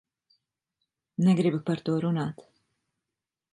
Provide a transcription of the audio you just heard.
Negribu par to runāt.